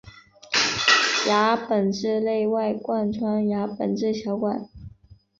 牙本质内外贯穿牙本质小管。